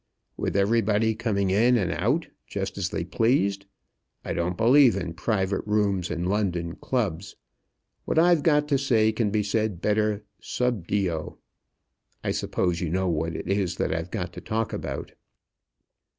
"With everybody coming in and out, just as they pleased. I don't believe in private rooms in London clubs. What I've got to say can be said better sub dio. I suppose you know what it is that I've got to talk about."